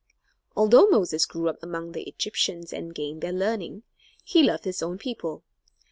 Although Moses grew up among the Egyptians, and gained their learning, he loved his own people.